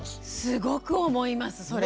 すごく思いますそれ。